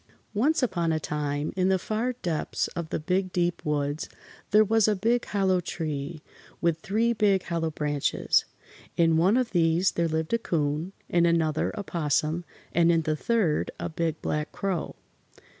Once upon a time in the far depths of the Big Deep Woods there was a big hollow tree, with three big hollow branches. In one of these there lived a 'Coon, in another a 'Possum and in the third a Big Black Crow.